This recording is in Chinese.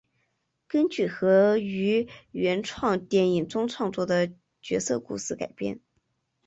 根据和于原创电影中创作的角色故事改编。